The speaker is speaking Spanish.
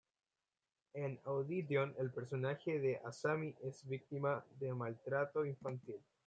En Audition, el personaje de Asami es víctima de maltrato infantil.